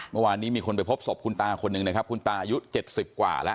เมื่อวานนี้มีคนไปพบสบคุณตาคนนึงนะครับคุณตายุดเจ็ดสิบกว่าละ